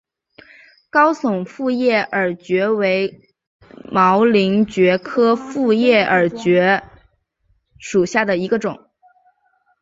高耸复叶耳蕨为鳞毛蕨科复叶耳蕨属下的一个种。